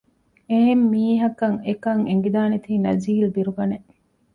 އެހެންމީހަކަށް އެކަން އެނގިދާނެތީ ނަޒީލް ބިރުގަނެ